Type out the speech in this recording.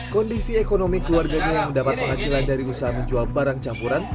kondisi ekonomi keluarganya yang mendapat penghasilan dari usaha menjual barang campuran